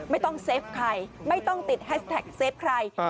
ไม่ต้องเซฟใครไม่ต้องติดแฮสแท็กเซฟใคร